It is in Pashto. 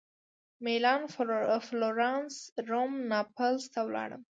مېلان فلورانس روم ناپلز ته ولاړم.